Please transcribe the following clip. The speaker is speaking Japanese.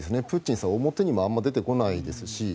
プーチンさんは表にもあまり出てこないですし。